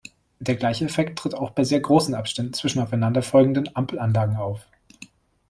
Der gleiche Effekt tritt auch bei sehr großen Abständen zwischen aufeinander folgenden Ampelanlagen auf.